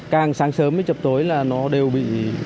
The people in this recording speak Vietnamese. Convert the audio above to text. càng sáng sớm với chập tối là nó đều bị